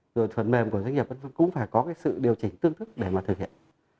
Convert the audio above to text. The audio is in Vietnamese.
rồi phần mềm của doanh nghiệp cũng phải có cái sự điều chỉnh tương thức để mà thực hiện